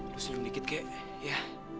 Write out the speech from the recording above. lu senyum dikit gek ya